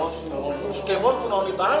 skeport pun mohon di tahan